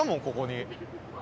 ここに。